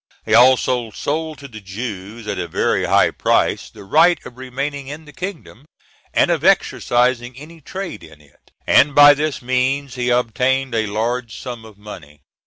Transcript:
He also sold to the Jews, at a very high price, the right of remaining in the kingdom and of exercising any trade in it, and by this means he obtained a large sum of money.